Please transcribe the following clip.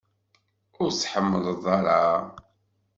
Ur t-tḥemmleḍ ara?